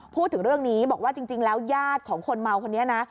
พูดถึงเรื่องนี้บอกว่าจริงแล้วญาติของคนเมาคนนี้นะ